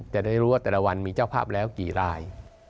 แต่ได้รู้ว่าแต่ละวันมีเจ้าภาพแล้วกี่ราย